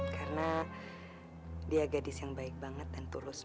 karena dia gadis yang baik banget dan tulus mas